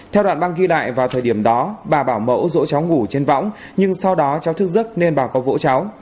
theo đoạn băng ghi lại vào thời điểm đó bà bảo mẫu rỗ cháu ngủ trên võng nhưng sau đó cháu thức giấc nên bà có vỗ cháu